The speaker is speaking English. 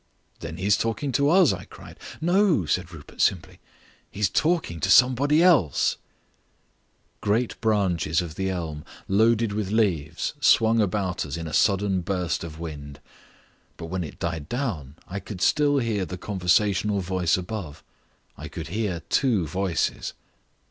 "Then he is talking to us," I cried. "No," said Rupert simply, "he's talking to somebody else." Great branches of the elm loaded with leaves swung about us in a sudden burst of wind, but when it died down I could still hear the conversational voice above. I could hear two voices.